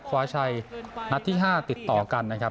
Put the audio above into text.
คว้าชัยนัดที่๕ติดต่อกันนะครับ